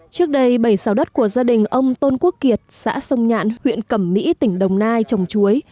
trước đây bảy xào đất của gia đình ông tôn quốc kiệt xã sông nhạn huyện cẩm mỹ tỉnh đồng nai trồng chuối